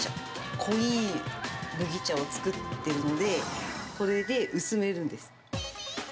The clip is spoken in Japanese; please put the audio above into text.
濃い麦茶を作ってるので、これで薄めるんです。